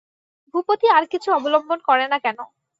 ভূপতি আর কিছু অবলম্বন করে না কেন।